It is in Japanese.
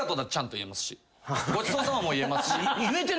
ごちそうさまも言えますし。